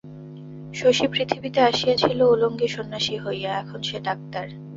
শশী পৃথিবীতে আসিয়াছিল উলঙ্গ সন্ন্যাসী হইয়া, এখন সে ডাক্তার।